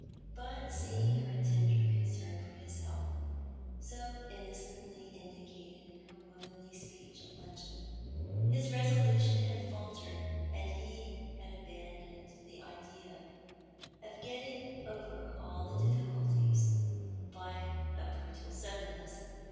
But seeing her tender concern for his health, so innocently indicated in her womanly speech at luncheon, his resolution had faltered, and he had abandoned the idea of getting over all diflBculties by a brutal suddenness.